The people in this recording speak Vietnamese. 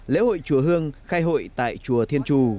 lễ hội chùa hương khai hội tại chùa thiên trù